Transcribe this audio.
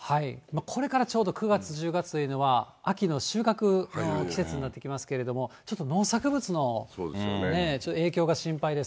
これからちょうど９月、１０月というのは、秋の収穫の季節になってきますけれども、ちょっと農作物の影響が心配です。